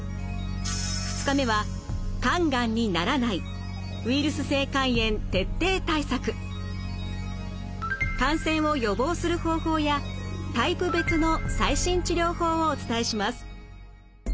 ２日目は感染を予防する方法やタイプ別の最新治療法をお伝えします。